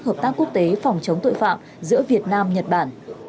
hợp tác quốc tế phòng chống tội phạm giữa việt nam nhật bản